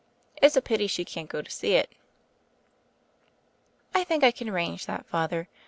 It's a pity she can't go to see it." "I think we can arrange that. Father.